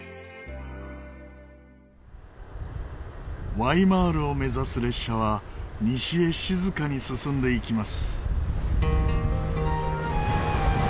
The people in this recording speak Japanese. ワイマールを目指す列車は西へ静かに進んでいきます。